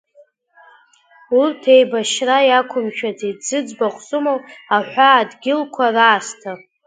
Урҭ еибашьра иақәымшәаӡеит, зыӡбахә сымоу аҳәаадгьылқәа раасҭа.